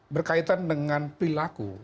berkaitan dengan perilaku